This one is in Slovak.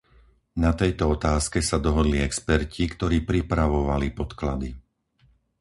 Na tejto otázke sa dohodli experti, ktorí pripravovali podklady.